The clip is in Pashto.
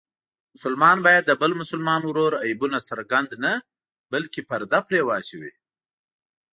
مسلمان باید د بل مسلمان ورور عیبونه څرګند نه بلکې پرده پرې واچوي.